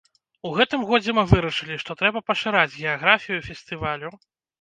У гэтым годзе мы вырашылі, што трэба пашыраць геаграфію фестывалю.